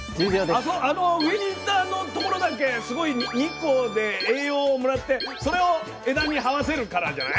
あの上にいったところだけすごい日光で栄養をもらってそれを枝にはわせるからじゃない？